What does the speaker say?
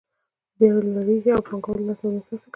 بیې لوړېږي او پانګوال د لا تولید هڅه کوي